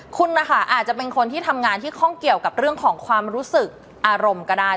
คุณนะคะอาจจะเป็นคนที่ทำงานที่ข้องเกี่ยวกับเรื่องของความรู้สึกอารมณ์ก็ได้